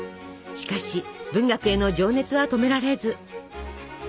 しかし文学への情熱は止められず。